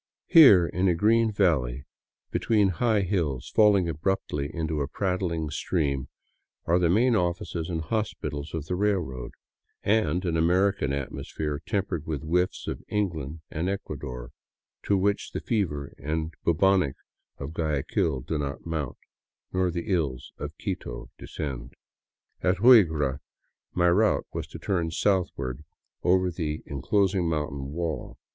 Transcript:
Here, in a green valley be tween high hills falling abruptly into a prattling stream, are the main offices and hospitals of the railroad, and an American atmosphere, tempered with whiffs of England and Ecuador, to which the fever and bubonic of Guayaquil do not mount, nor the ills of Quito descend. At Huigra my route was to turn southward over the enclosing moun tain wall.